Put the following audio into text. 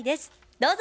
どうぞ。